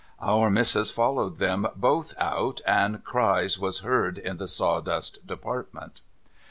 Our Missis followed them both out, and cries was heard in the sawdust department.